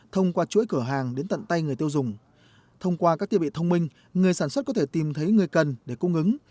thông qua chuỗi cửa hàng đến tận tay người tiêu dùng thông qua các thiết bị thông minh người sản xuất có thể tìm thấy người cần để cung ứng